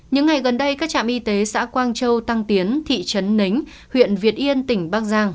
những ngày gần đây các trạm y tế xã quang châu tăng tiến thị trấn nính huyện việt yên tỉnh bắc giang